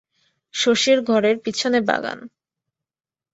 শশীর ঘরের পিছনে বাগান।